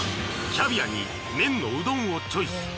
［キャビアに麺のうどんをチョイス］